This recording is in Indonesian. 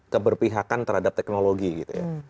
keberpihakan terhadap teknologi